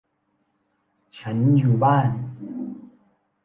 ฉันอยู่บ้าน